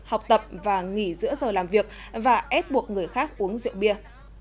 học tập và nghỉ giữa giờ làm việc và ép buộc người khác uống rượu bia